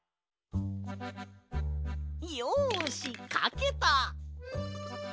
よしかけた！